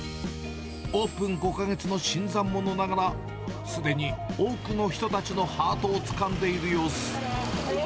オープン５か月の新参者ながら、すでに多くの人たちのハートをつかんでいる様子。